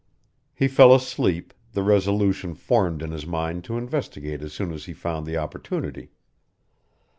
He fell asleep, the resolution formed in his mind to investigate as soon as he found the opportunity.